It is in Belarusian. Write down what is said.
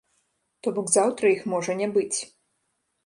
То бок заўтра іх можа не быць.